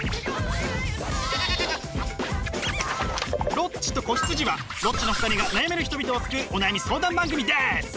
「ロッチと子羊」はロッチの２人が悩める人々を救うお悩み相談番組です！